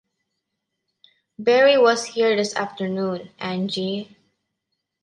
Barry was here this afternoon, Angie.